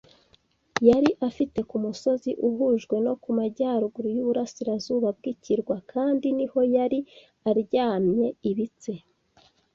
yari afite ku musozi uhujwe no mu majyaruguru y'uburasirazuba bw'ikirwa, kandi niho yari aryamye ibitse